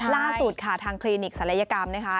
ล่าสุดค่ะทางคลินิกศัลยกรรมนะคะ